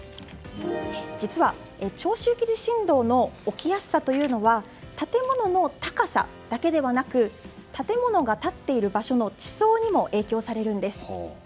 実は、長周期地震動の起きやすさというのは建物の高さだけではなく建物が立っている場所の地層にも影響されるんです。